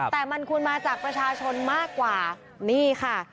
แต่มันควรมาจากประชาชนมากกว่านี่ค่ะ